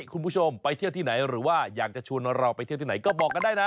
คุณผู้ชมไปเที่ยวที่ไหนหรือว่าอยากจะชวนเราไปเที่ยวที่ไหนก็บอกกันได้นะ